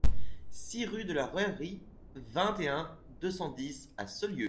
six rue de la Rouerie, vingt et un, deux cent dix à Saulieu